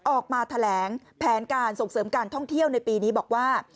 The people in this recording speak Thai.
ออกมาแถลงแผนการส่งเสริมการท่องเที่ยวในปีนี้บอกว่า